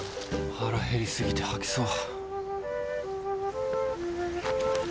腹減りすぎて吐きそう。